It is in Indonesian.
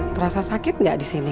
terasa sakit gak disini